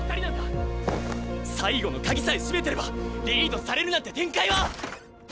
最後の鍵さえ閉めてればリードされるなんて展開は！